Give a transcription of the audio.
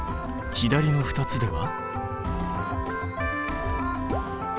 右の２つでは？